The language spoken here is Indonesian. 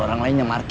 kasih tahu jack